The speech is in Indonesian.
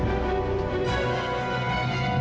karena teman risk akan kekacauan diri